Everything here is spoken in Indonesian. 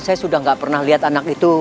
saya sudah tidak pernah lihat anak itu